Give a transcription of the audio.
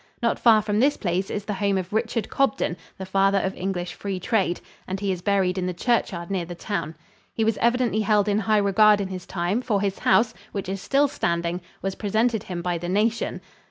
Not far from this place is the home of Richard Cobden, the father of English free trade, and he is buried in the churchyard near the town. He was evidently held in high regard in his time, for his house, which is still standing, was presented him by the nation.